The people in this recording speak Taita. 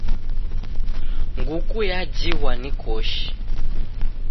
Nguku yajighwa ni koshi